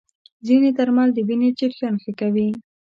ځینې درمل د وینې جریان ښه کوي.